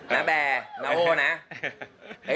นะแบนาโอนะ